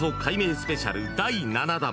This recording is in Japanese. スペシャル第７弾。